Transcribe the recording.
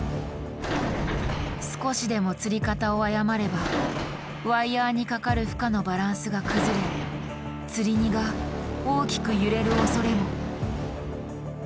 少しでもつり方を誤ればワイヤーにかかる負荷のバランスが崩れつり荷が大きく揺れるおそれも。